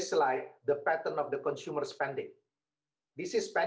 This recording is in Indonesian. jika kemasyikan kemaskitan